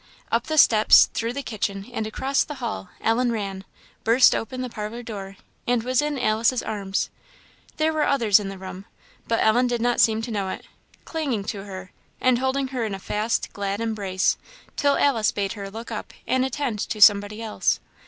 Up the steps, through the kitchen, and across the hall, Ellen ran burst open the parlour door and was in Alice's arms. There were others in the room, but Ellen did not seem to know it, clinging to her, and holding her in a fast, glad embrace, till Alice bade her look up, and attend to somebody else.